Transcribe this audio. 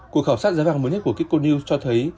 cuộc khảo sát giá vàng mới nhất của kikonews cho thấy